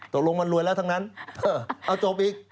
ตกลงมันรวยแล้วทั้งนั้นเอาจบอีก